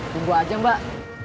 tunggu aja mbak